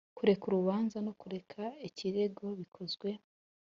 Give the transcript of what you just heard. Kureka urubanza no kureka ikirego bikozwe